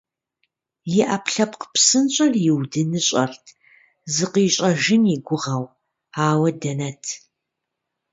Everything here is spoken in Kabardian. И ӏэпкълъэпкъ псэншэр иудыныщӏэрт, зыкъищӏэжын и гугъэу. Ауэ дэнэт…